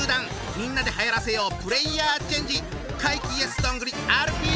みんなではやらせようプレイヤーチェンジ！